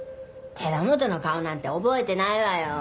寺本の顔なんて覚えてないわよ。